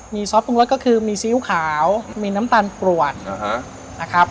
มีซอสปรุงรสก็คือมีซีอิ๊วขาวมีน้ำตาลกรวดนะครับ